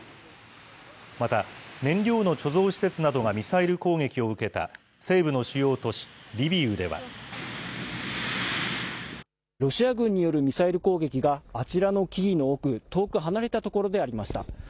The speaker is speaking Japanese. また、燃料の貯蔵施設などがミサイル攻撃を受けた西部の主要都市リビウロシア軍によるミサイル攻撃が、あちらの木々の奥、遠く離れた所でありました。